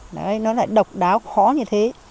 đấy nó lại độc đáo khó như thế